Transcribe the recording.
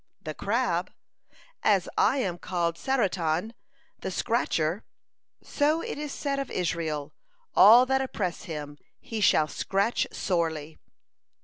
The Crab: "As I am called Saratan, the scratcher, so it is said of Israel, 'All that oppress him, he shall scratch sorely.'"